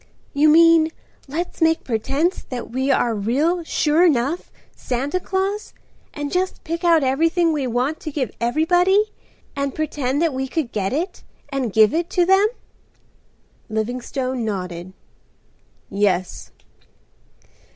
"You mean, let's make pretense that we are real sure enough Santa Claus and just pick out everything we want to give everybody, and pretend that we could get it and give it to them?" Livingstone nodded. "Yes."